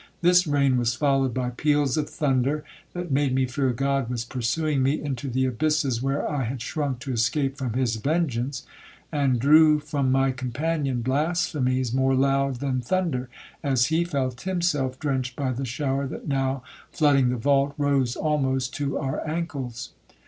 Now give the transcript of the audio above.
This rain was followed by peals of thunder, that made me fear God was pursuing me into the abysses where I had shrunk to escape from his vengeance, and drew from my companion blasphemies more loud than thunder, as he felt himself drenched by the shower, that now, flooding the vault, rose almost to our ancles.